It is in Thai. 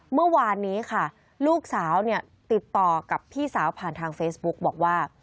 เมื่อวานนี้ค่ะลูกสาวเนี่ยติดต่อกับพี่สาวผ่านทางเฟซบุ๊กบอกว่า